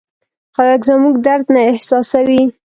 خلک زموږ درد نه احساسوي.